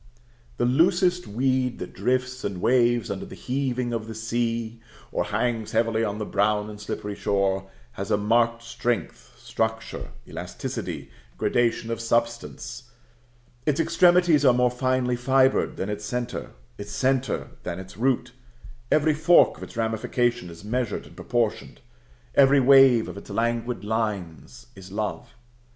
The loosest weed that drifts and waves under the heaving of the sea, or hangs heavily on the brown and slippery shore, has a marked strength, structure, elasticity, gradation of substance; its extremities are more finely fibred than its centre, its centre than its root; every fork of its ramification is measured and proportioned; every wave of its languid lines is love.